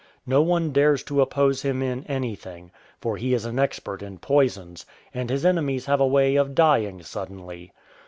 No one dares to oppose him in anything, for he is an expert in poisons, and his enemies have a way of dvincr suddenly.